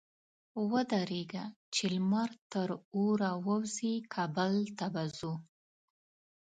ودرېږه! چې لمر تر اوره ووزي؛ کابل ته به ځو.